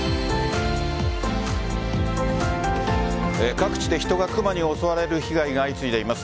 各地で人がクマに襲われる被害が相次いでいます。